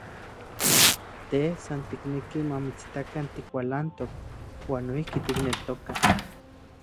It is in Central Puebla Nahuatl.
Te san tikneki mamitsitakan tikualantok, uan noijki tikneltokaj.